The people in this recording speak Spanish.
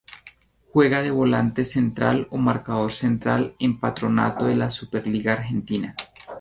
Juega de volante central o marcador central en Patronato de la Superliga Argentina.